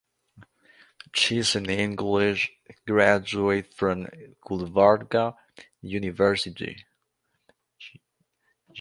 She is an English graduate from Gulbarga University.